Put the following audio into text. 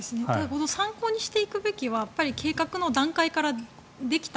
参考にしていくべきは計画の段階からできた。